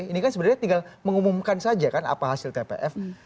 ini kan sebenarnya tinggal mengumumkan saja kan apa hasil tpf